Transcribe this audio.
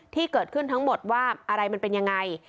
ที่เกิดขึ้นทั้งหมดว่าอะไรมันเป็นยังไง